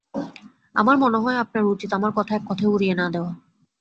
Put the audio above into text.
আমার মনে হয় আপনার উচিত আমার কথা এককথায় উড়িয়ে না-দেওয়া।